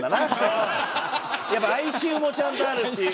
やっぱ哀愁もちゃんとあるっていう。